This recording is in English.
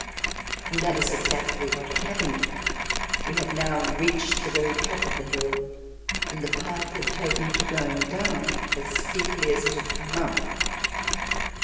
... And that is exactly what had happened. We had now reached the very top of the hill, and the path had taken to going down as steeply as it had come up.